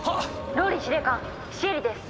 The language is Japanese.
・ＲＯＬＬＹ司令官シエリです！